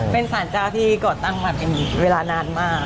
เป็นสารเจ้าที่ก่อตั้งมาเป็นเวลานานมาก